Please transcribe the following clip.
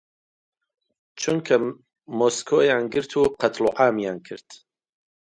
چونکە مۆسکۆیان گرت و قەتڵ و عامیان کرد.